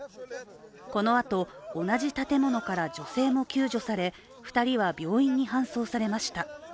このあと、同じ建物から女性も救助され２人は病院に搬送されました。